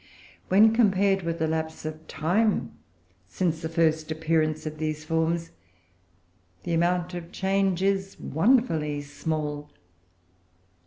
When compared with the lapse of time since the first appearance of these forms, the amount of change is wonderfully small.